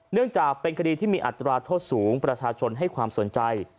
เนื่องจากเป็นคดีที่มีอัตราโทษสูงประชาชนให้ความสนใจ